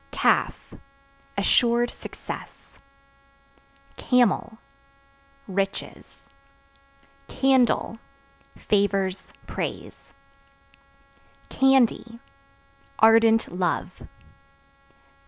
Calf Assured success. Camel Riches. Candle Favors, praise. Candy Ardent love.